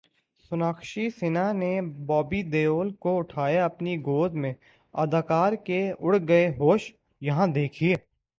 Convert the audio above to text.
سوناکشی سنہا نے بابی دیول کو اٹھایا اپنی گود میں اداکار کے اڑ گئے ہوش، یہاں دیکھئے